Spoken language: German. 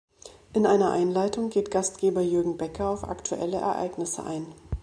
In einer Einleitung geht Gastgeber Jürgen Becker auf aktuelle Ereignisse ein.